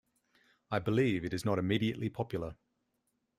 I believe it is not immediately popular.